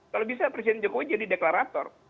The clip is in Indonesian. kalau bisa presiden jokowi jadi deklarator